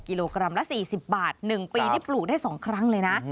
กิโลกรัมละ๔๐บาท๑ปีนี่ปลูกได้๒ครั้งเลยนะ